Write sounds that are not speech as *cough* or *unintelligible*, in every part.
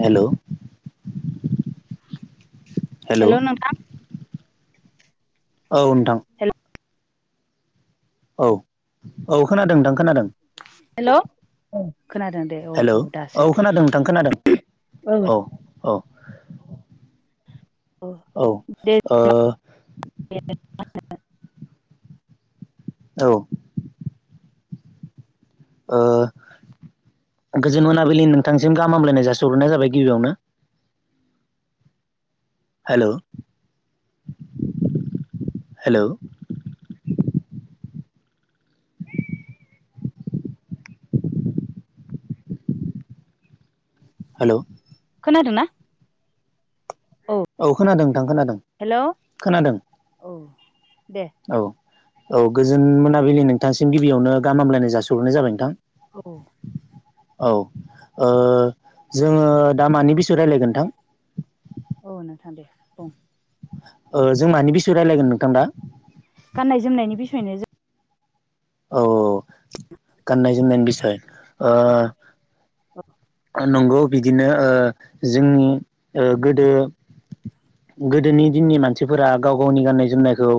हेल' hello नोंथां औ नोंथां हेल' औ औ खोनादों नोंथां खोनादों हेल' खोनादों दे औ हेलौ औ दासो खोनादों नोंथां खोनादों औ औ औ दे औ *unintelligible* औ ओ गोजोन मोनाबिलि नोंथांसिम गाहामलायनाय जाासिहरनाय जाबाय गिबियावनो हेल' हेल' हेल' खोनादों ना औ खोनादों नोंथां खोनादों हेल' औ खोनादों दे औ औ गोजोन मोनाबिलि नोंथांसिम गिबियावनो गाहामलायनाय जासिहरग्रोनाय जाबाय नोंथां औ औ ओ जोङो दामानि बेसय रायलायगोन नोंथां औ नोंथां दे बुं ओ जों मानि बिसय रायज्लायगोन नोंथां दा गाननाय जोमनायनि बिसयनो जों औ गाननाय जोमनायनि बिसय ओ जों नंगौ बिदिनो ओ जोंनि ओ गोदो गोदोनि दिननि मानसिफोरा गाव गावनि गाननाय जोमनायखौ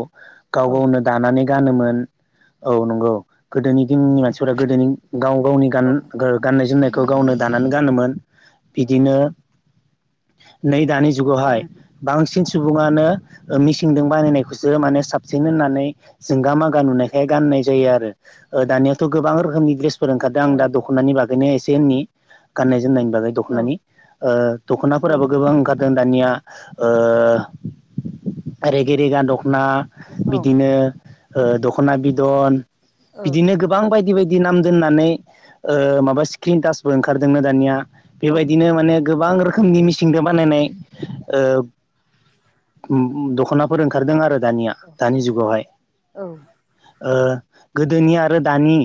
गाव औ गावनो दानानै गानोमोन औ नंगौ गोदोनि दिननि मानसिफोरा गोदोनि गाव गावनि गान औ गाननाय जोमनायखौ गावनो दानानै गानोमोन बिदिनो नै दानि औ जुगावहाय नोंथां बांसिन सुबुङानो मेसिनजों बानायनायखौसो माने साबसिन होननानै जोंगा मागा नुनायखाय गानो जायो आरो दानियाथ' गोबां रोखोमनि बे *unintelligible* फोर ओंखारदों आं औ दा दख'नानि बागैनो एसे होनननि गाननाय जोमनायनि औ दखनानि ओ दख'ना फोराबो गोबां ओंखार दों दानिया रेगे रेगां दख'ना औ बिदिनो ओ दख'ना बिदन औ बिदिनो गोबां बायदि बायदि बिदि नाम दोननानै ओ माबा स्क्रिन टासबो ओंखारदोंनो दानिया बेबायदिनो माने गोबां रोखोमनि मिसि जों बानायनाय दख'नाफोर ओंखारदों आरो दानिया दानि जुगावहाय। औ ओ गोदोनि आरो दानि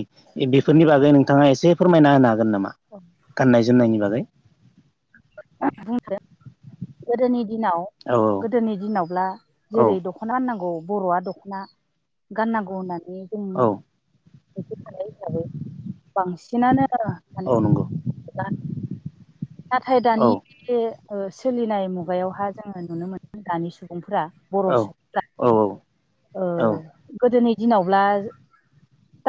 बेफोरनि बागै नोंथाङा एसे फोरमायना होनो हागोन नामा गाननाय जोमनायनि बागै बुंदो गोदोनि दिनाव औ गोदोनि दिनावब्ला औ जेरै दख'ना गाननांगौ बर'आ दख'ना गाननांगौ होननानै जों औ मिथिखानाय हिसाबै बांसिनानो माने औ नंगौ गानो नाथाय औ दानि बे सोलिनाय मुगायावहा जोङो नुनो मोनो दानि सुबुंफोरा बर' औ सुबुंफ्रा औ औ ओ औ गोदोनि दिनावब्ला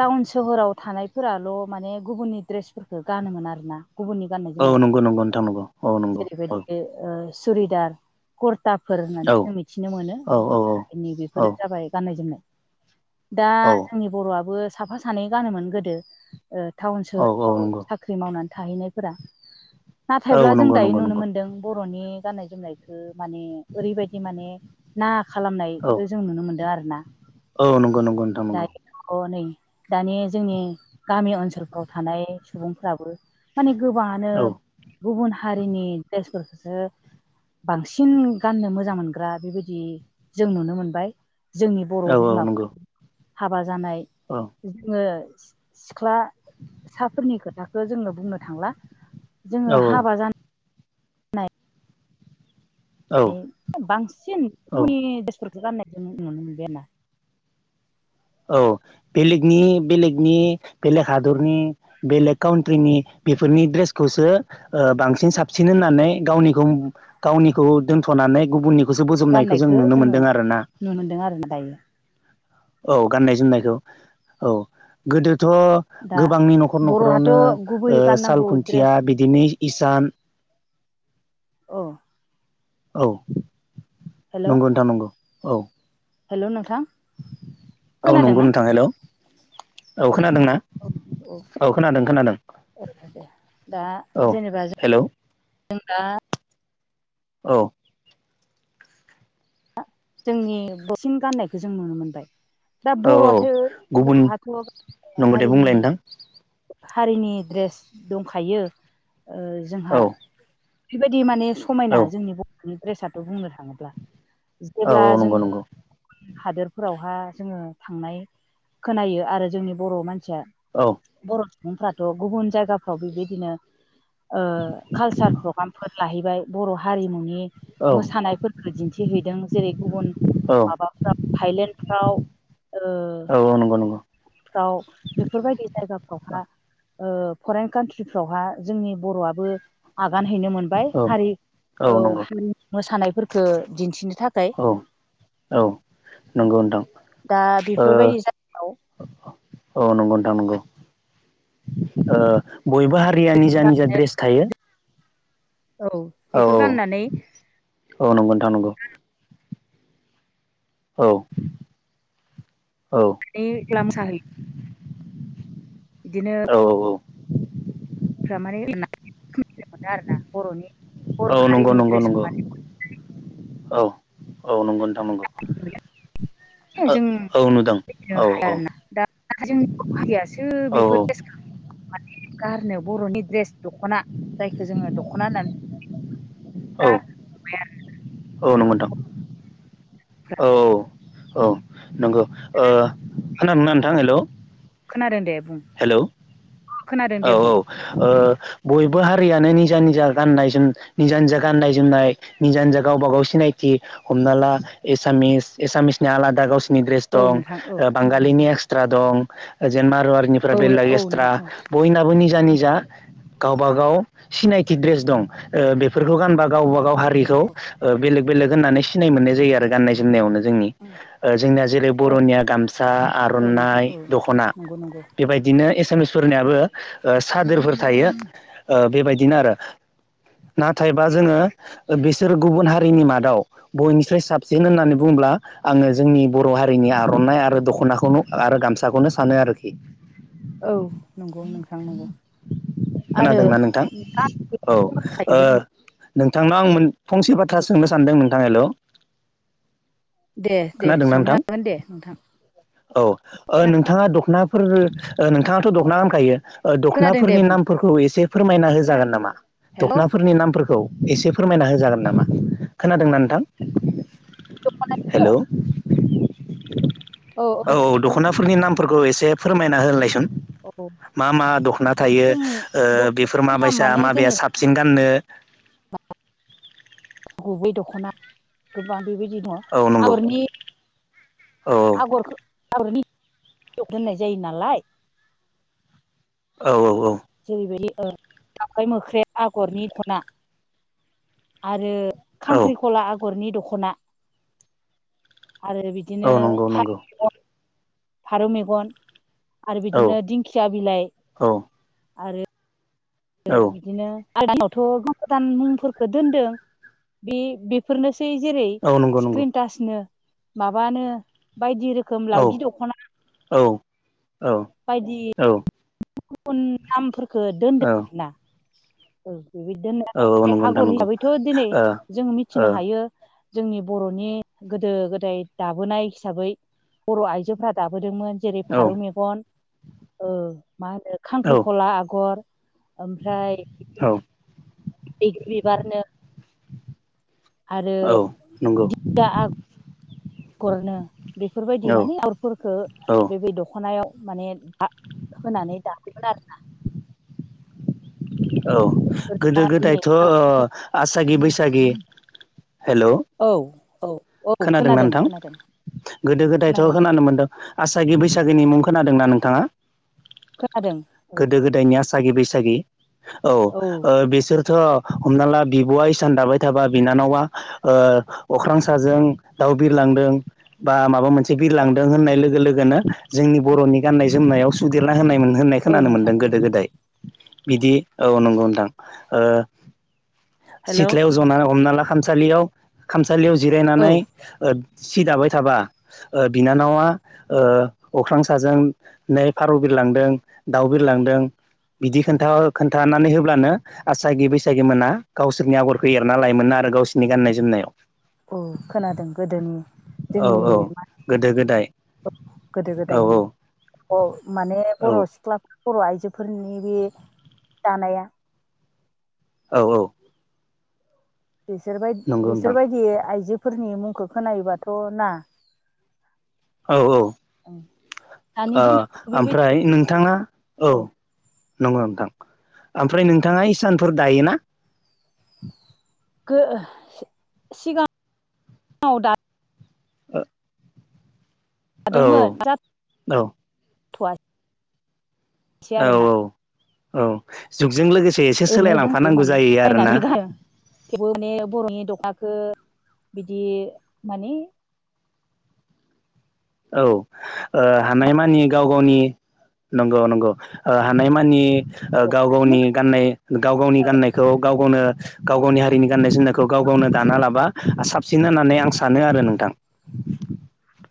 टाउन सोहोराव थानायफोराल' माने गुबुननि दड्रेसफोरफोरखौ गानोमोन आरोना गुबुननि गाननाय औ नंगौ जोमनायफोरखौ नंगौ नोंथां नंगौ औ नंगौ औ जेरैबायदि ओ सुरिदार कुर थाफोर होननानै औ जों मिथिनो मोनो औ गुबुन हारिनि बेफोरो औ जाबाय गाननाय जोमनाय दा औ औ जोंनि बर'आबो साफा सानै गानोमोन गोदो। टाउन औ औ सोहोरफ्राव नंगौ साख्रि मावनानै थाहैनायफोरा नाथायब्ला औ जों नंगौ दायो नंगौ नुनो नंगौ मोनदों बर'नि गाननाय जोमनायखौ माने ओरैबायदि माने ना औ खालामनायखौ जों नुनो मोनदों आरो ना। औ नंगौ नंगौ नोंथां नंगौ। नै दानि जोंनि गामि ओनसोलफोराव थानाय सुबुंफ्राबो माने गोबाङानो औ गुबुन हारिनि दड्रेसफोर बांसिन गाननो मोजां मोनग्रा बेबायदि जों नुनो मोनबाय। जोंनि बर' औ औ नंगौ बिमाफोरखौ हाबा जानाय औ जोङो सिख्ला साफोरनि खोथाखो जोंङो बुंनो थांला जोङो औ हाबा जानो नाय औ बांसिन औ गुबुननि द्रेसफोरखौ गाननाय जों नुनो मोनबाय आरोना। औ बेलेगनि बेलेगनि बेलेग हादरनि बेलेग काउन्ट्रिनि बेफोरनि ड्रेसखौसो ओ बांसिन साबसिन होननानै गावनिखौ गावनिखौ दोनथ'नानै नानै गुबुननिखौसो बोजोबनायखौ जों गाननायखौ नुनो जोङो मोनदों आरोना। नुनो मोनदों आरोना दायो औ गाननाय जोमनायखौ औ गोदो थ' दा गोबांनि न'खर बर'हाथ' न'खरावनो ओ गुबै साल गाननांगौ खुन्थिया द्रेस बिदिनो इसान औ औ हेल' नंगौ नोंथा नंगौ औ हेल' नोंथां औ नंगौ खोनादोंना नोंथां हेलौ औ खोनादों ना औ खोनादों खोनादों। अ दे दा औ जेनेबा हेलौ जों दा औ जोंनि बांसिन गाननायखौ जों नुनो मोनबाय। दा औ बर'आथ' गुबुन बर'हाथ' गावनि नंगौ दे हारिनि बुंलाय नोंथां हारिनि ड्रेस दंखायो ओ जोंहा औ ओरैबायदि माने समायना औ जोंनि बर'नि ड्रेसाथ' बुंनो थाङोब्ला औ जेब्ला औ नंगौ जोङो नंगौ गुबुन हादोरफोरावहा जोङो थांनाय खोनायो आरो जोंनि बर' मानसिया औ बर' सुबुंफ्राथ' गुबुन जायगाफ्राव बेबायदिनो ओ कालसार प्रग्रामफोर लाहैबाय बर' हारिमुनि औ मोसानायफोरखो दिन्थिहैदों। जेरै गुबुन औ माबाफ्राव थायलेण्डफ्राव औ नंगौ नंगौ फ्राव बेफोरबायदि जायगाफ्रावहा ओ फरेन कान्ट्रिफ्रावहा जोंनि बर'आबो आगान हैनो मोनबाय औ हारि ओ नंगौ हारिनि मोसानायफोरखौ दिन्थिनो थाखाय औ औ नंगौ नोंथां दा बेफोरबायदि ओ जायगायाव औ नंगौ नोंथां नंगौ ओ बयबो हारि- या निजा निजा ड्रेस थायो। औ औ बेखौ औ गाननानै औ नंगौ नोंथां नंगौ। औ नानै जेला मोसाहैयो। औ औ औ *unintelligible* सिनाय मोनो आरोना बर'नि बर' औ नंगौ हारिनि नंगौ नंगौ दड्रेसखौ माने टटेलि औ औ नंगौ नोंथां नंगौ नुयो जों औ नुदों बिनो औ हाया आरोना दा नाथाय जोंनि बर' हारियाासो बेफोर औ द्रेसखौ गारनो बर'नि द्रेस दख'ना जायखौ जोङो दख'ना होननानै औ गारनो हमबाय आरो औ नंगौ गोबां नोंथां बर'फ्रा औ औ औ नंगौ ओ खोनादोंना नोंथां हेल' खोनादों दे बुं हेल' खोनादों औ दे औ बुं ओ बयबो हारियानो निजा निजा गाननाय जोम निजा निजा गाननाय जोमनाय निजा निजा गावबा गाव सिना- सिनायथि हमनाला एसामिस एसामिसना आलादा गावसो- नि ड्रेस औ दं नोंथां औ ओ बांगालिनि एक्सट्रा दं ओ जेन माारुवारिनिफोरा औ बेलेग औ एक्सट्रा नोंथां औ बयनाबो निजा निजा गावबा गाव सिनायथि ड्रेस दं ओ बेफोरखौ गानबा गावबा गाव हारिखौ ओ बेलेग बेलेग होननानै सिनाय मोननाय जायो आरो गाननाय जोमनायावनो जोंनि ओ जोंनिया जेरै बर'निया गाम- सा औ नोंथां आर'नाइ औ दख'ना नंगौ नंगौ बेबायदिनो एसामिसफोरनियाबो ओ सादोरफोर थायो ओ बेबायदिनो आरो नाथायबा जोङो ओ बिसोर गुबुन हारिनि मादाव बयनिस्राय साबसिन होननानै बुंङो- ब्ला आङो जोंनि बर' हारिनि आर'नाइ आरो दख'नाखौनो आरो गामसाखौनो सानो आरोखि औ नंगौ नोंथां नंगौ आरो खोनादोंना नोंथां औ गानोब्ला ओ समायखायोबो नों नोंथांनाव आं मोन फंसे बाथ्रा सोंनो सानदों नोंथां हेल' दे दे खोनादोंना सोंनो नोंथां हागोन दे नोंथां औ नोंथाङा दख'ना फोर ओ नोंथाङाथ' दख'ना गानखायो ओ खोनादों दे दख'नाफोरनि बुं नामफोरखौ एसे फोरमायना होजागोन नामा हेल' दख'नाफोरनि नामफोरखौ एसे फोरमायना होजागोन नामा खोनादोंना नोंथां दख'नानिखौ हेल' औ दख'नाफोरनि नामफोरखौ एसे फोरमायना होनलायसन औ मा मा दख'ना थायो जों ओ बेफोर दख'नानि नाम माबायसा माने माबेया जेनेबा साबसिन गाननो गुबै दख'ना गोबां बेबायदि दङ औ नंगौ आगरनि औ आगरखौ आगरनि दोननाय जायो नालाय औ औ औ जेरैबायदि दाउराइ मोख्रेब आगरनि दखना आरो औ औ खांख्रिखला आगरनि दखना आरो बिदिनो औ नंगौ नंगौ फारौ मेगन आरो औ बिदिनो दिंखिया बिलाइ औ आरो ओ औ बिदिनो आलदानावथ' गोदान गोदान मुंफोरखौ दोनदों बे बेफोरनोसै जैरै औ नंगौ नंगौ स्क्रिन टासनो माबानो बायदि रोखो- खोम औ लावगि दख'ना औ औ बायदि औ गुबुन गुबुन नामफोरखो दोनदों औ आरोना औ बेबायदि दोनो आरो औ ओमफ्राय नंगौ नोंथां आगर नंगौ हिसाबैथ' दिनै ओ जों मिथिनो ओ हायो जोंनि बर'नि गोदो गोदाय दाबोनाय हिसाबै बर' आइजोफोरा दाब बोदोंमोन जेरै औ फारौ मेगन ओ मा होनो औ खांख्रिखला आगर ओमफ्राय औ बैग्रि बिबारनो आरो औ नंगौ दिंखिया आगर गरनो बेफोरबायदि औ माने अगरफोरखौ औ बे दख'नायाव माने आ होनानै दायोमोन आरोना औ गोदो आरो दिनै गोदायथ' ओ आसागि बैसागि हेल' औ औ औ खोनादोंना खोनादों नोंथां खोनादों गोदो गोदायथ' खोनादों खोनानो मोनदों आसागि बैसागोनि मुंखौ खोनादोंना नोंथाङा खोनादों औ गोदो गोदायनि आसागि बैसागि औ ओ बिसोर थ' हमना ला बिब'आ इसान दाबाय थाबा बिनानावा ओ अख्रां साजों दाउ बिरलांदों बा माबा मोनसे बिरलांदों होननाय लोगो लोगोनो जोंनि बर'नि गाननाय जोमनायाव सुदेरला होननाय होननाय औ खोनानो नोंथां मोन्दों औ गोदो गोदाय बिदि औ नंगौ नथां ओ सिथ्लायाव जना हमना ला खामसालियाव जिरायनानै सि दाबाय थाबा बिनानावा ओ अख्रां साजों नै फारौ बिर लांदों दाउ बिर लांदों बिदि खोनथा खोन्थानानै होब्लानो आसागि बैसागि मोना गावसोरनि आगरखौ एरना लायोमोन आरो गावसोरनि गाननाय जोमनायाव औ खोनादों गोदोनि औ जोंनि औ गोदो गोदाय गोदो औ गोदायनि औ औ माने औ बर' सिख्लाफ्रा बर' आइजोफोरनि बे दानाया औ औ बिसोरबाय नंगौ नोंथां बिसोरबायदि आइजोफोरनि मुंखौ खोनायोबाथ' ना औ औ ओ दानि दिनावथ' ओमफ्राय बेबायदि नोंथाङा औ नंगौ नोंथां ओमफ्राय नोंथाङा इसानफोर दायो ना? सिगां सिगाङाव दा *unintelligible* *unintelligible* औ दादोंमोन दा औ गाथ'आै *unintelligible* औ सेयार ना औ जुगजों लोगोसे एसे ओरैनो दंथ'यो सोलायलांफानांगौ माने जायो आरोना बायनानै गार *unintelligible* थेवबो माने बर'नि दख'ना खौ बिदि माने औ ओ हानायमानि गाव गावनि नंगौ नंगौ हानायमानि ओ गाव दख'नाखौनो गावनि गाननाय गाव गावनि गाननायखौ गाव गावनो गाव गावनि हारिनि गाननाय जोमनायखौ गाव गावनो दाना लाबा साबसिन होननानै आं सानो आरो नोंथां *inaudible*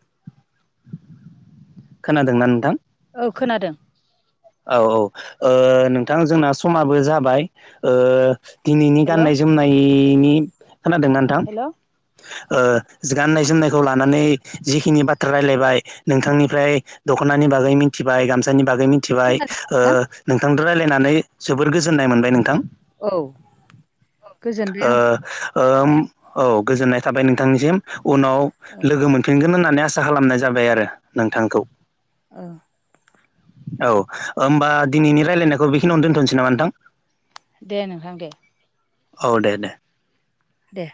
खोनादोंना नोंथां? औ खोनादों औ औ नोंथां जोंना समाबो जाबाय ओ। दिनैनि हेल' गाननाय जोमनायनि खोनादों नोंथां? हेल' ओ गाननाय जोमनायखौ लानानै जिखिनि बाथ्रा रायलायबाय नोंथांनिफ्राय दख'नानि बागै मिथिबाय गामसानि बागै मि मिथिबाय खोनादों ओ नोंथां नोंथांजों रायलायनानै जोबोर गोजोननाय मोनबाय नोंथां औ गोजोनबाय आं औम गोजोननाय थाबाय नोंथांनिसिम उनाव ओ लोगो मोनफिनगोन होननानै आसा खालामनाय जाबाय आरो नोंथांखौ औ औ होमबा दिनैनि रायलायनायखौ बेखिनियावनो दोन्थ'नोसै नामा नोंथां? दे नोंथां दे औ दे दे दे